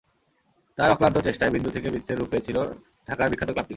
তাঁর অক্লান্ত চেষ্টায় বিন্দু থেকে বৃত্তে রূপ পেয়েছিল ঢাকার বিখ্যাত ক্লাবটি।